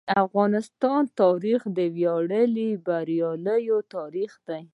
د افغانستان تاریخ د ویاړلو بریاوو تاریخ دی.